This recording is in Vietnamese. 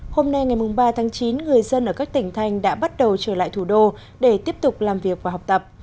hôm nay ngày ba tháng chín người dân ở các tỉnh thành đã bắt đầu trở lại thủ đô để tiếp tục làm việc và học tập